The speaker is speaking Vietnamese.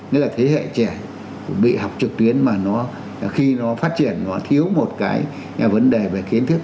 nghĩa là thế hệ trẻ bị học trực tuyến mà nó khi nó phát triển nó thiếu một cái vấn đề về kiến thức